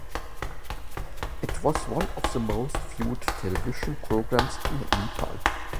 It was one of the most viewed television programs in Nepal.